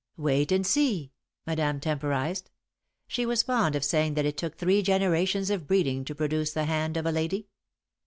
"Wait and see," Madame temporised. She was fond of saying that it took three generations of breeding to produce the hand of a lady.